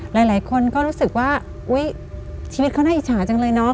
หลายคนก็รู้สึกว่าอุ๊ยชีวิตเขาน่าอิจฉาจังเลยเนาะ